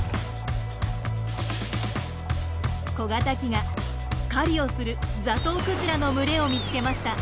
小型機が狩りをするザトウクジラの群れを見つけました。